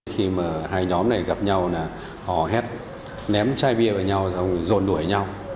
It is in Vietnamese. khi mà hai nhóm này gặp nhau là họ hét ném chai bia vào nhau rồi rồn đuổi nhau